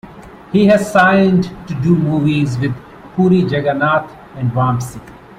He has signed to do movies with Puri Jagannath and Vamsi.